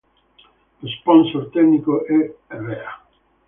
Lo sponsor tecnico è Erreà.